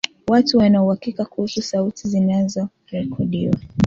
watu wana uhakika kuhusu sauti zinazorekodiwa